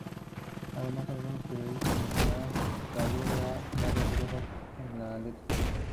Además, algunos periodistas mencionaron que alude a varias drogas en la letra.